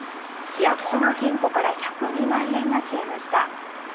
市役所の金庫から１０２万円が消えました。